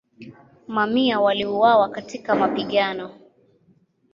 Mamia waliuawa katika mapigano.